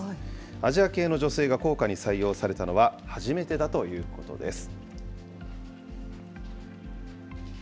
アジア系の女性が硬貨に採用されたのは初めてだということです。